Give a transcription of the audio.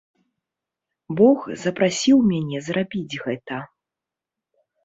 Бог запрасіў мяне зрабіць гэта.